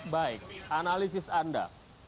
baik analisis anda